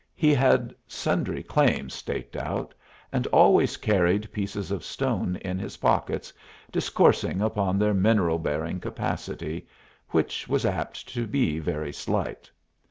He had sundry claims staked out, and always carried pieces of stone in his pockets, discoursing upon their mineral bearing capacity, which was apt to be very slight.